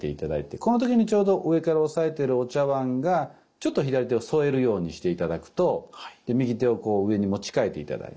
この時にちょうど上から押さえてるお茶碗がちょっと左手を添えるようにして頂くとで右手をこう上に持ち替えて頂いて。